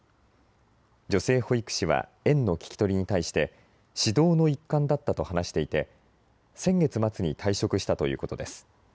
女性保育士は園の聞き取りに対して指導の一環だったと話していて先月末に退職したということです。